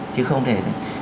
chứ không thể